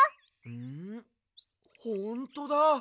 んほんとだ。